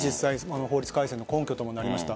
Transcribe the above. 法律改定の根拠ともなりました。